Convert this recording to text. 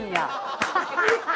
ハハハハ！